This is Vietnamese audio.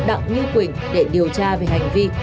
đặng như quỳnh để điều tra về hành vi